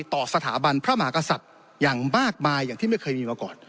ต่อสถาบันพระมหากษัตริย์อย่างมากมายอย่างที่ไม่เคยมีมาก่อน